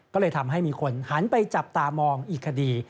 ก็เลยทำให้มีคนหันไปจับตามองอีกคดี